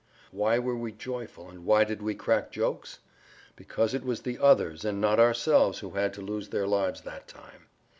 Why were we joyful and why did we crack jokes? Because it was the others and not ourselves who had to lose their lives that time.